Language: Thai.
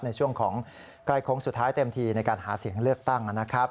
ในช่วงของใกล้โค้งสุดท้ายเต็มทีในการหาเสียงเลือกตั้งนะครับ